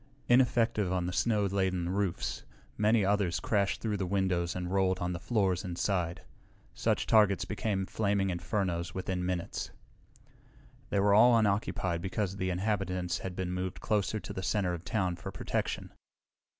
Ineffective on the snow laden roofs, many others crashed through the windows and rolled on the floors inside. Such targets became flaming infernos within minutes. They were all unoccupied because the inhabitants had been moved closer to the center of town for protection.